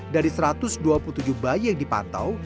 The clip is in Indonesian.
dari satu ratus dua puluh tujuh bayi yang dipantau